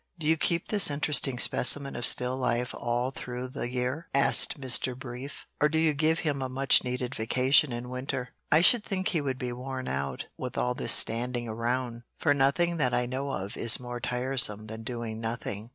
"Do you keep this interesting specimen of still life all through the year?" asked Mr. Brief, "or do you give him a much needed vacation in winter? I should think he would be worn out with all this standing around, for nothing that I know of is more tiresome than doing nothing."